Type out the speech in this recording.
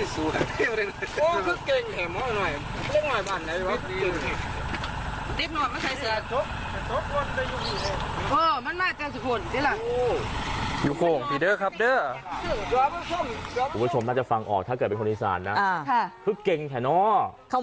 สภาพลดด้วยครับด้วยอ่ะนิดหน่อยทีบนานลดด้วยครับ